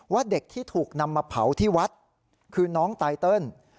เด็กที่ถูกนำมาเผาที่วัดคือน้องไตเติล